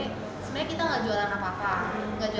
jadi suami saya pikirnya memang tahun ini panggilannya mau buka